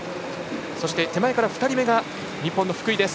そして手前から２人目が日本の福井です。